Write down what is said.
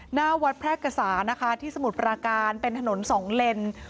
หน้าวัดแพร่กษานะคะที่สมุทรปราการเป็นถนนสองเลน